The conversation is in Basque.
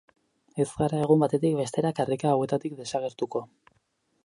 Ez gara egun batetik bestera karrika hauetatik desagertuko.